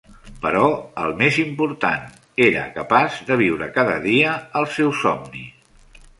Però, el més important, era capaç de viure cada dia el seu somni.